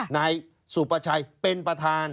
นายสุประชัยเป็นประธาน